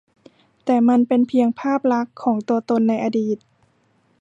แต่มันเป็นเพียงภาพลักษณ์ของตัวตนในอดีต